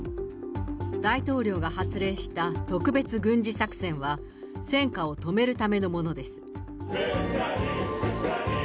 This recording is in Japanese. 大統領が発令した特別軍事作戦は、戦火を止めるためのものです。